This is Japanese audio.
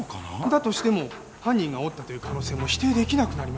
だとしても犯人が折ったという可能性も否定出来なくなりました。